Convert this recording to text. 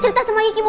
berat banget pokoknya